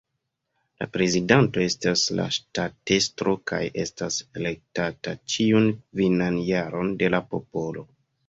La prezidanto estas la ŝtatestro kaj estas elektata ĉiun kvinan jaron de la popolo.